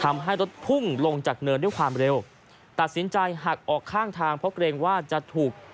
ทำให้รถพุ่งลงจากเนินด้วยความเร็วตัดสินใจหักออกข้างทางเพราะเกรงว่าจะถูก